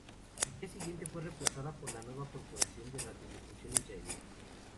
Al día siguiente fue reemplazada por la nueva Corporación de Radiodifusión Israelí.